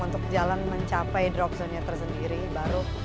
untuk jalan mencapai drop zone nya tersendiri baru